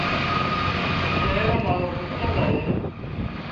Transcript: جݩهݩ رو نآلو روپچند اهي۔